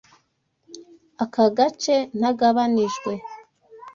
Aka gace ntagabanijwe.